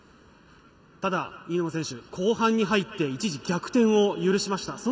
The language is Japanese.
ただ、飯沼選手、後半に入って一時逆転を許しました。